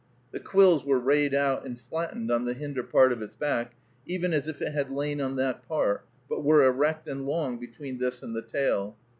The quills were rayed out and flattened on the hinder part of its back, even as if it had lain on that part, but were erect and long between this and the tail.